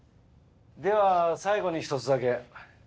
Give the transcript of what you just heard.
では最後に１つだけ。